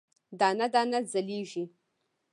دانه، دانه ځلیږې